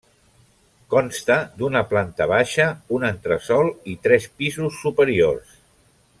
Consta d'una planta baixa, un entresòl i tres pisos superiors.